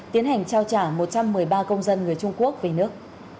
tiến hành trao trả một trăm một mươi ba công dân người trung quốc về nước